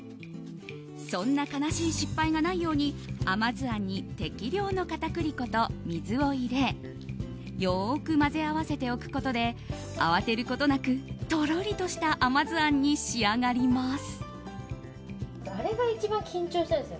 そんな悲しい失敗がないように甘酢あんに適量の片栗粉と水を入れよく混ぜ合わせておくことで慌てることなくとろりとした甘酢あんに仕上がります。